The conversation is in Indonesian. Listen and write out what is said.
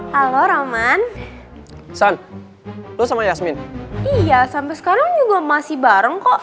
halo roman san lu sama yasmin iya sampai sekarang juga masih bareng kok